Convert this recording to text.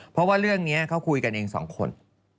เพราะว่าเรื่องนี้เขาคุยกันเองสองคน